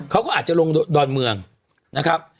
เขาก็อาจจะลงดอนเมืองนะครับ